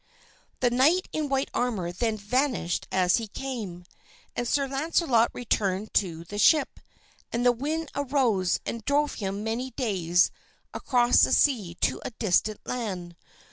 The knight in white armor then vanished as he came, and Sir Launcelot returned to the ship, and the wind arose and drove him many days across the sea to a distant land.